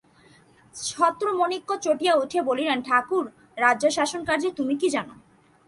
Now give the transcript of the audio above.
ছত্রমাণিক্য চটিয়া উঠিয়া বলিলেন, ঠাকুর, রাজ্যশাসনকার্যের তুমি কী জানো?